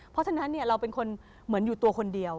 เพราะฉะนั้นเราเป็นคนเหมือนอยู่ตัวคนเดียว